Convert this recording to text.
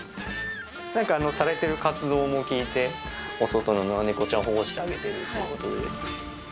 なんか、されてる活動も聞いて、お外の野良猫ちゃんたちを保護してあげてるということで。